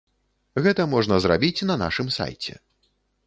Гэта можна зрабіць на нашым сайце.